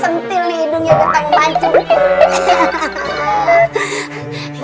sentil nih hidungnya ketang bancung